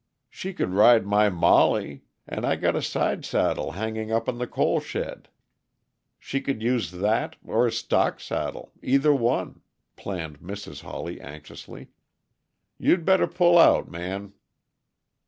"She could ride my Mollie and I got a sidesaddle hanging up in the coal shed. She could use that, or a stock saddle, either one," planned Mrs. Hawley anxiously. "You better pull out, Man."